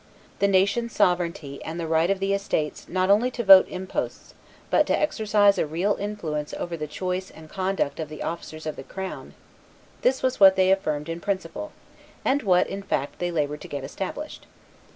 The nation's sovereignty and the right of the estates not only to vote imposts but to exercise a real influence over the choice and conduct of the officers of the crown, this was what they affirmed in principle, and what, in fact, they labored to get established.